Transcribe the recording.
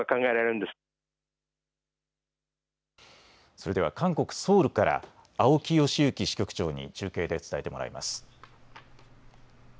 それでは韓国・ソウルから青木良行支局長に中継で伝えてもらいます。